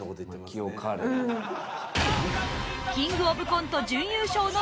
キングオブコント準優勝の実力者